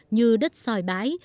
như đất soi bãi